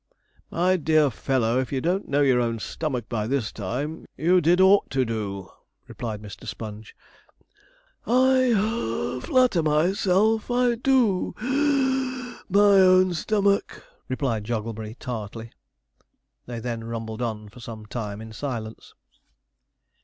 'My dear fellow, if you don't know your own stomach by this time, you did ought to do,' replied Mr. Sponge. 'I (puff) flatter myself I do (wheeze) my own stomach,' replied Jogglebury tartly. They then rumbled on for some time in silence.